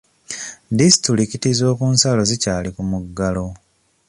Disitulikiti z'okunsalo zikyali ku muggalo.